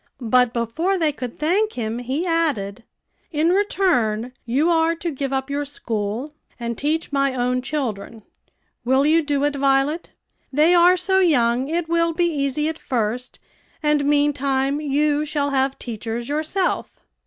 But before they could thank him, he added, "In return, you are to give up your school, and teach my own children. Will you do it, Violet? They are so young it will be easy at first, and meantime you shall have teachers yourself."